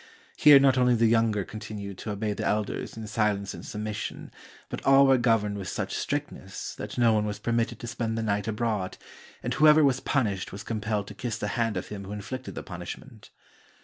Here not only the younger continued to obey the elders in si lence and submission, but all were governed with such strictness that no one was permitted to spend the night abroad, and whoever was punished was compelled to kiss the hand of him who inflicted the punishment.